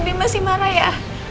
dia masih marah ya